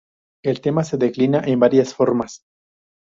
El tema se declina en varias formas.